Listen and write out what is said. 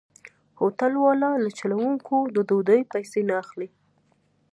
هوټل والا له چلوونکو د ډوډۍ پيسې نه اخلي.